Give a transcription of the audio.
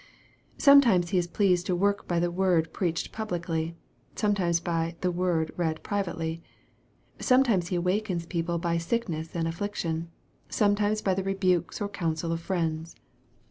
Sometimes He is pleased to work by the word preached publicly, sometimes by the word read privately. Sometimes He awakens people by sickness and affliction, sometimes by the rebukes or counsel of friends.